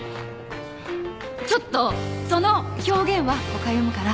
ちょっとその表現は誤解生むから。